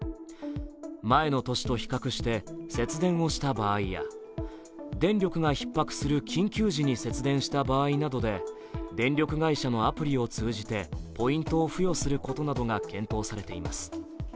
前の年と比較して節電をした場合や電力がひっ迫する緊急時に節電した場合などで、電力会社のアプリを通じてポイントを付与することなどが講じられています。